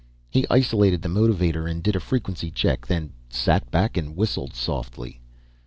He isolated the motivator and did a frequency check. Then sat back and whistled softly.